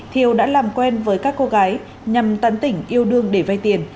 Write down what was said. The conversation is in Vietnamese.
thiều đã làm quen với các cô gái nhằm tấn tỉnh yêu đương để vay tiền